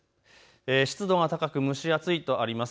湿度が高く蒸し暑いとあります。